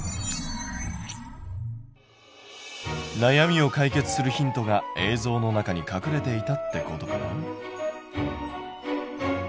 なやみを解決するヒントが映像の中に隠れていたってことかな？